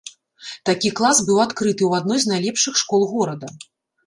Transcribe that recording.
Такі клас быў адкрыты ў адной з найлепшых школ горада.